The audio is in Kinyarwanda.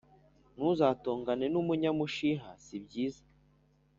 Ntuzatongane n’umunyamushiha sibyiza